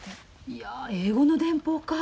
いや英語の電報か？